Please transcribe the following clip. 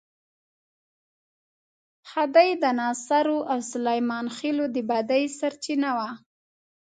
خدۍ د ناصرو او سلیمان خېلو د بدۍ سرچینه وه.